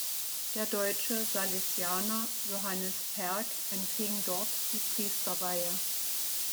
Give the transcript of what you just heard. Der deutsche Salesianer Johannes Perk empfing dort die Priesterweihe.